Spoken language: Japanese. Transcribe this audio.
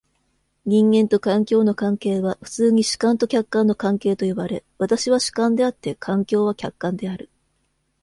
人間と環境の関係は普通に主観と客観の関係と呼ばれ、私は主観であって、環境は客観である。